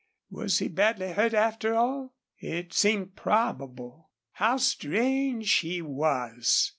Was he badly hurt, after all? It seemed probable. How strange he was!